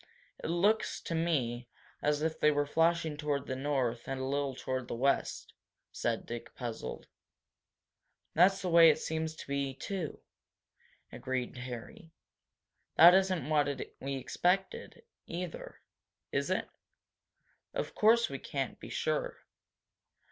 "It looks to me as if they were flashing toward the north and a little toward the west," said Dick, puzzled. "That's the way it seems to me, too," agreed Harry. "That isn't what we expected, either, is it?" "Of course we can't be sure."